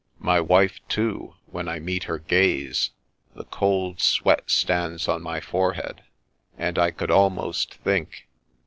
My wife, too, when I meet her gaze, the cold sweat stands on my forehead, and I could almost think